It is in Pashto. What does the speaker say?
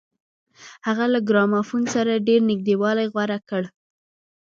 هغه له ګرامافون سره ډېر نږدېوالی غوره کړ.